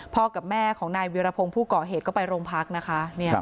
กับแม่ของนายเวียรพงศ์ผู้ก่อเหตุก็ไปโรงพักนะคะ